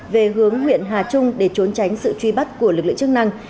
về hướng huyện hà trung để trốn tránh sự truy bắt của lực lượng chức năng